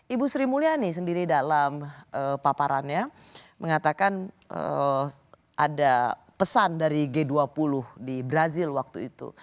ibu sri mulyani sendiri dalam paparannya mengatakan ada pesan dari g dua puluh di brazil waktu itu